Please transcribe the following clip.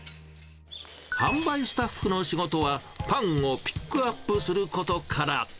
販売スタッフの仕事はパンをピックアップすることから。